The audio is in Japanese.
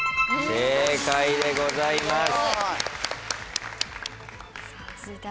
正解でございます。